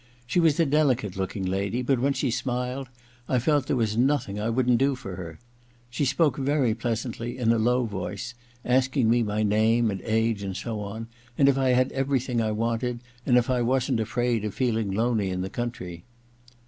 She was a delicate looking lady, but when she smiled I felt there was nothing I wouldn't do for her. She spoke very pleasantly, in a low voice, asking me my name and age and so on, and if I had every thing I wanted, and if I wasn't afraid of feeling lonely in the country.